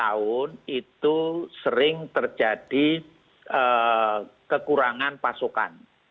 karena itu sering terjadi kekurangan pasokan